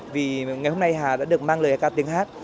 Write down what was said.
vì ngày hôm nay hà đã được mang lời ca tiếng hát